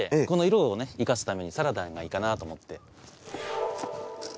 この色を生かすためにサラダがいいかなと思って。